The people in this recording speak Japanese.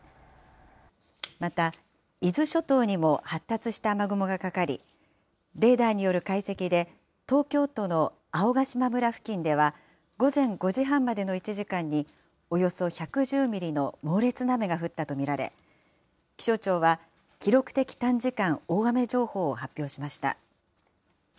また、伊豆諸島にも発達した雨雲がかかり、レーダーによる解析で、東京都の青ヶ島村付近では、午前５時半までの１時間におよそ１１０ミリの猛烈な雨が降ったと見られ、気象庁は記録的短時間大雨情報を発表しました。